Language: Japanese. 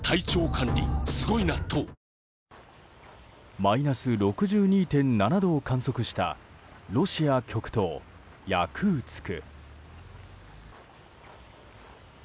マイナス６２．７度を観測したロシア極東、ヤクーツク。